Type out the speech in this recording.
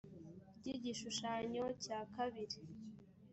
ry’ igishushanyo cya kabiri